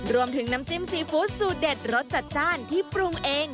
รวมถึงน้ำจิ้มซีฟู้ดสูตรเด็ดรสจัดจ้านที่ปรุงเอง